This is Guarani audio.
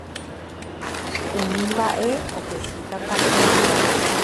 Umi mba'e ohesy tatápe